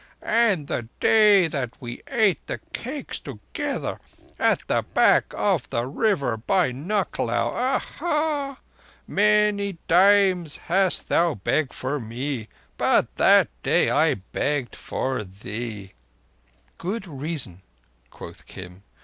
And the day that we ate the cakes together at the back of the river by Nucklao. Aha! Many times hast thou begged for me, but that day I begged for thee." "Good reason," quoth Kim.